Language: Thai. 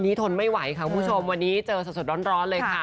ทนไม่ไหวค่ะคุณผู้ชมวันนี้เจอสดร้อนเลยค่ะ